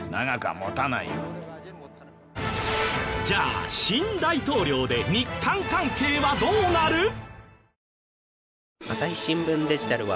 じゃあ新大統領で日韓関係はどうなる？